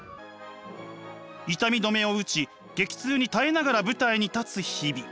痛み止めを打ち激痛に耐えながら舞台に立つ日々。